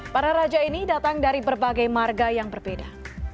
para raja ini datang dari berbagai marga yang berbeda